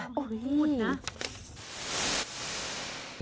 พูดนะ